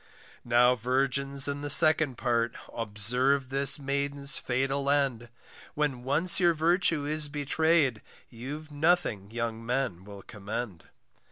Now virgins in the second part, Observe this maiden's fatal end, When once your virtue is betray'd, You've nothing young men will commend.